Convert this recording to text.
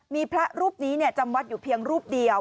มีพระรูปนี้จำวัดอยู่เพียงรูปเดียว